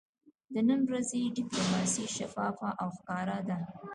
د ننی ورځې ډیپلوماسي شفافه او ښکاره ده